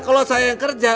kalau saya yang kerja